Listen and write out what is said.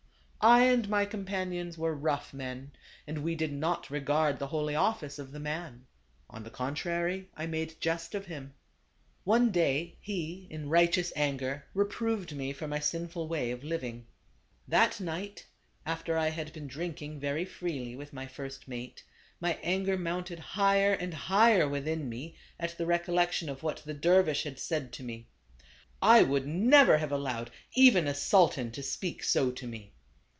" I and my companions were rough men, and we did not regard the holy office of the man. On the contrary, I made jest of him. " One day he, in right eous anger, reproved me for my sinful way of living. That night, after I had been drinking very freely with my first mate, my anger mounted higher and higher within me, at the recollection of what the dervis had said to me. I would never have allowed even a sultan to speak so to me.